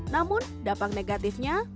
namun dampak negatifnya